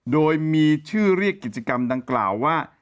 โดยมีชื่อเรียกกิจกรรมดังกล่าวว่า